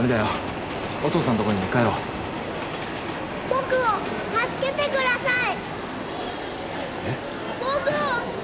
僕を助けてください！